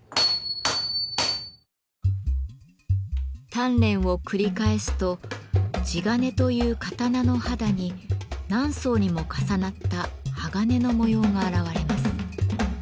鍛錬を繰り返すと「地鉄」という刀の肌に何層にも重なった鋼の模様が現れます。